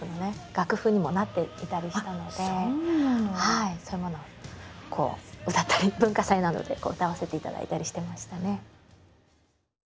楽譜にもなっていたりしたのでそういうものを歌ったり文化祭などで歌わせていただいたりしてましたね。